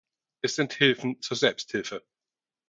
Es sind Hilfen zur Selbsthilfe.